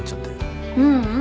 ううん。